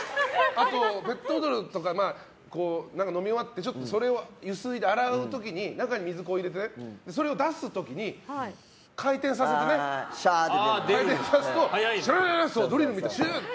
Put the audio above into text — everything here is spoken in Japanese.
あと、ペットボトルとか飲み終わってちょっとそれをゆすいで洗う時に中に水を入れて、それを出す時に回転させるとドリルみたいにシューって。